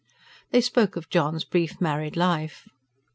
They spoke of John's brief married life.